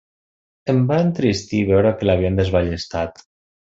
Em va entristir veure que l'havien desballestat.